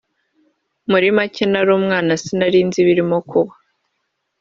muri make nari umwana sinari nzi ibirimo kuba